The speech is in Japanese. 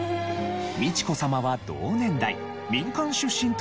美智子さまは同年代民間出身という事もあり